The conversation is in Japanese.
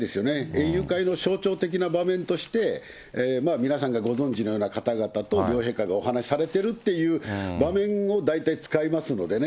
園遊会の象徴的な場面として、皆さんがご存じのような方々と両陛下がお話されてるっていう場面を大体使いますのでね。